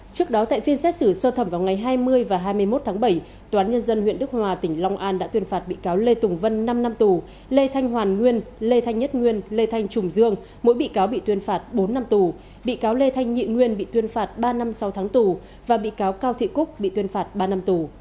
trước đó tại phiên xét xử sơ thẩm vào ngày hai mươi và hai mươi một tháng bảy tòa án nhân dân huyện đức hòa tỉnh long an đã tuyên phạt bị cáo lê tùng vân năm năm tù lê thanh hoàn nguyên lê thanh nhất nguyên lê thanh trùng dương mỗi bị cáo bị tuyên phạt bốn năm tù bị cáo lê thanh nhị nguyên bị tuyên phạt ba năm sau tháng tù và bị cáo cao thị cúc bị tuyên phạt ba năm tù